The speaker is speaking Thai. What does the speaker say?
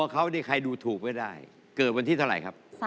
เขานี่ใครดูถูกไม่ได้เกิดวันที่เท่าไหร่ครับ